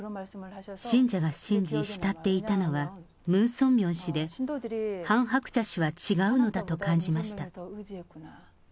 信者が信じ慕っていたのは、ムン・ソンミョン氏で、ハン・ハクチャ氏は違うのだと感じました。